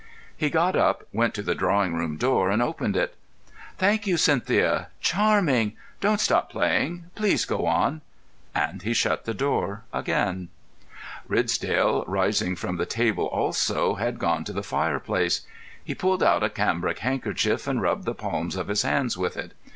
He got up, went to the drawing room door, and opened it. "Thank you, Cynthia. Charming! Don't stop playing. Please go on," and he shut the door again. Ridsdale, rising from the table also, had gone to the fireplace. He pulled out a cambric handkerchief, and rubbed the palms of his hands with it.